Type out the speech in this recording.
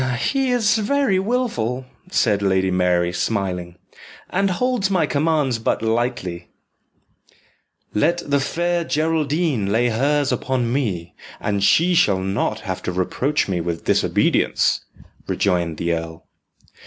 "He is very wilful," said Lady Mary, smiling, "and holds my commands but lightly." "Let the Fair Geraldine lay hers upon me, and she shall not have to reproach me with disobedience," rejoined the earl.